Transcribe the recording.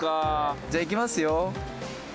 「じゃあいきますよ」